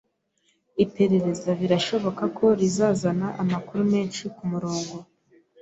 Iperereza birashoboka ko rizazana amakuru menshi kumurongo.